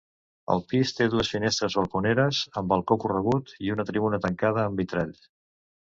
El pis té dues finestres balconeres, amb balcó corregut, i una tribuna tancada amb vitralls.